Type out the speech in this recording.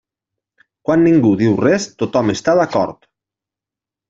Quan ningú diu res, tothom està d'acord.